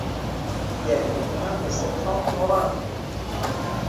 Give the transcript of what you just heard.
یارییەکەمان بە سێ خاڵ دۆڕاند.